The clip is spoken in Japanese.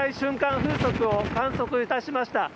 風速を観測いたしました。